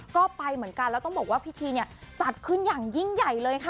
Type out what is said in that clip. ก็ไปเหมือนกันแล้วต้องบอกว่าพิธีเนี่ยจัดขึ้นอย่างยิ่งใหญ่เลยค่ะ